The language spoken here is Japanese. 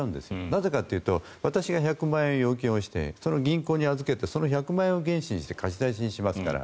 なぜかというと私が１００万円預金をしてその銀行に預けてその１００万円を原資にして貸し出しにしますから。